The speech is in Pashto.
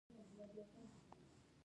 آیا د پوهنې وزارت کتابونه چاپوي؟